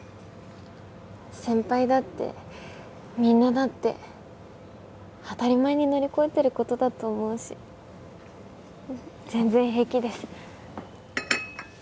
先輩だってみんなだって当たり前に乗り越えてることだと思うし全然平気です。